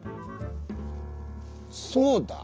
そうだ。